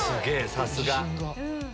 さすが。